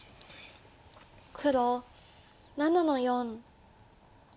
黒７の四。